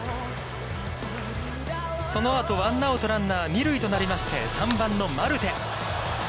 そのあと、ワンアウト、ランナー１塁となりまして、３番のマルテ。